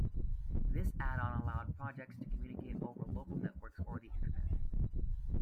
This add-on allowed projects to communicate over local networks or the Internet.